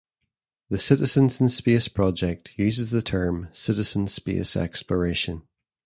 The Citizens in Space project uses the term "citizen space exploration".